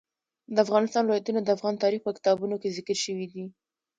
د افغانستان ولايتونه د افغان تاریخ په کتابونو کې ذکر شوی دي.